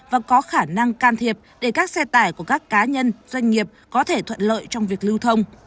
và có khả năng can thiệp để các xe tải của các cá nhân doanh nghiệp có thể thuận lợi trong việc lưu thông